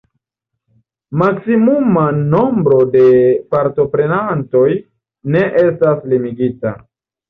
Maksimuma nombro de partoprenantoj ne estas limigita.